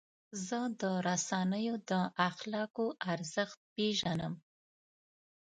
زه د رسنیو د اخلاقو ارزښت پیژنم.